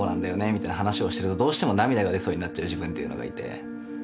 みたいな話をしてるとどうしても涙が出そうになっちゃう自分っていうのがいて。